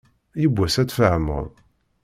Yiwwas ad tfehmeḍ.